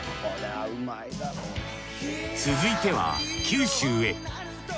続いては九州へ。